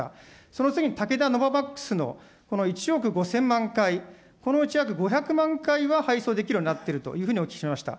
その次に武田ノババックスの１億５０００万回、このうち５００万回は配送できるようになっているというふうにお聞きしました。